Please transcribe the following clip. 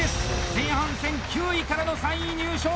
前半戦９位からの３位入賞！